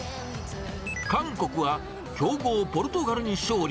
韓国は強豪ポルトガルに勝利。